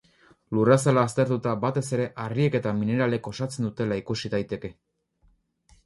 Lurrazala aztertuta, batez ere harriek eta mineralek osatzen dutela ikus daiteke.